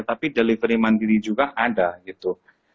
tapi delivery mandiri juga ada gitu